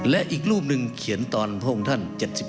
และอีกรูปหนึ่งเขียนตอนพระองค์ท่าน๗๒